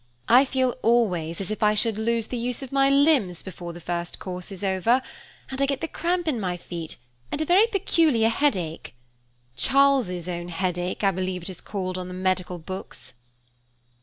I feel always as if I should lose the use of my limbs before the first course is over, and I get the cramp in my feet, and a very peculiar headache. 'Charles's own headache' I believe it is called in the medical books."